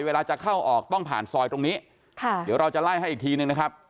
เวลาจะเข้าออกต้องผ่านซอยตรงนี้ค่ะเดี๋ยวเราจะไล่ให้อีกทีนึงนะครับ